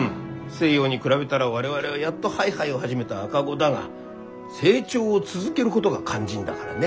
西洋に比べたら我々はやっとハイハイを始めた赤子だが成長を続けることが肝心だからね。